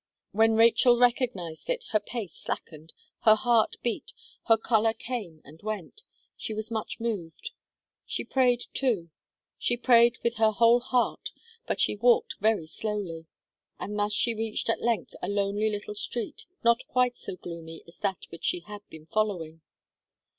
When Rachel recognized it, her pace slackened, her heart beat, her colour came and went, she was much moved; she prayed too she prayed with her whole heart, but she walked very slowly. And thus she reached at length a lonely little street not quite so gloomy as that which she had been following.